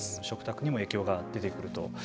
食卓にも影響が出てくると。